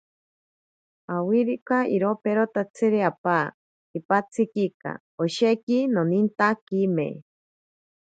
Awiroka iriperotatsi apaa kipatsikika, osheki nonintakime.